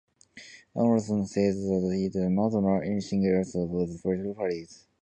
Anderson says that he did not know anything else about the political parties.